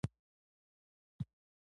په هلمند کې د محکمې رئیس و.